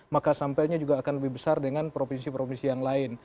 maka sampelnya juga akan lebih besar dengan provinsi provinsi yang lain